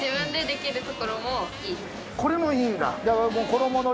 ああこれもいいんだ？